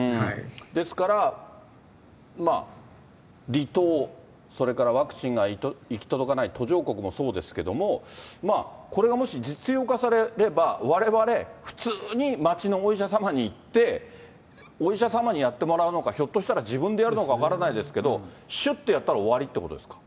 ですから、離島、それからワクチンが行き届かない途上国もそうですけれども、これがもし、実用化されれば、われわれ普通に街のお医者様に行って、お医者様にやってもらうのか、ひょっとしたら自分でやるのか分からないですけど、しゅってやったら終わりってことですか。